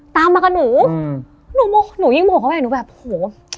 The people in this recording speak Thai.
ตามมากับหนูหนูยิ่งโมโหเขาไปหนูแบบโอ้โห